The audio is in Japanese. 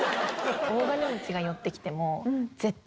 大金持ちが寄ってきても絶対。